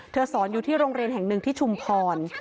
สอนอยู่ที่โรงเรียนแห่งหนึ่งที่ชุมพร